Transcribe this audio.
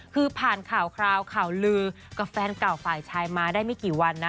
คือผ่านข่าวคราวข่าวลือกับแฟนเก่าฝ่ายชายมาได้ไม่กี่วันนะ